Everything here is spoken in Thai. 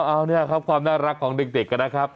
เอาเนี่ยครับความน่ารักของเด็กนะครับ